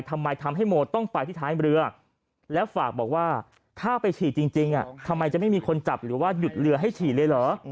ทำไมทำให้โมต้องไปที่ท้ายเรือแล้วฝากบอกว่าถ้าไปฉีดจริงทำไมจะไม่มีคนจับหรือว่าหยุดเรือให้ฉี่เลยเหรอ